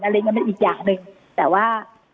อะไรมันเป็นอีกอย่างหนึ่งแต่ว่า